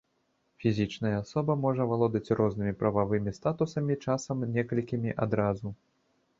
Фізічная асоба можа валодаць рознымі прававымі статусамі, часам некалькімі адразу.